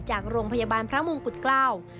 จากโรงพยาบาลพระมงกุฎเกล้า